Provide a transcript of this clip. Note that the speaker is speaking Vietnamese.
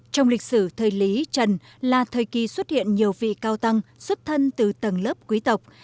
trong lịch sử thời lý trần là thời kỳ xuất hiện nhiều vị cao tăng xuất thân từ tầng lớp quý tộc